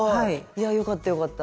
いやよかったよかった。